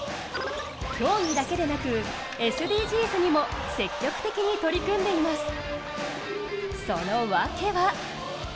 競技だけでなく、ＳＤＧｓにも積極的に取り組んでいます。